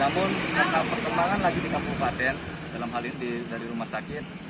namun perkembangan lagi di kabupaten dalam hal ini dari rumah sakit